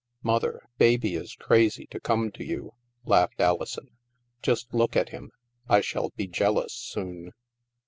" Mother, Baby is crazy to come to you," laughed Alison. "Just look at him. I shall be jealous soon."